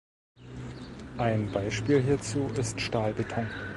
Ein Beispiel hierzu ist Stahlbeton.